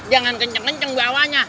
jangan kenceng kenceng bawahnya